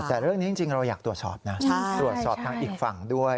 แต่เรื่องนี้จริงเราอยากตรวจสอบนะตรวจสอบทางอีกฝั่งด้วย